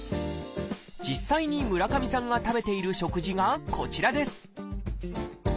実際に村上さんが食べている食事がこちらです